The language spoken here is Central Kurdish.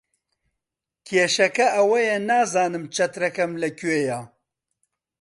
کێشەکە ئەوەیە نازانم چەترەکەم لەکوێیە.